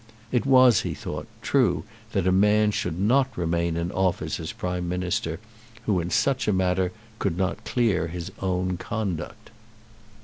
It was, he thought, true that a man should not remain in office as Prime Minister who in such a matter could not clear his own conduct.